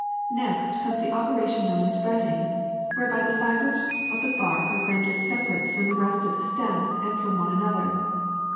*'Next comes the operation known as retting, whereby the fibers of the bark are rendered separ able from the rest of the stem and from one another.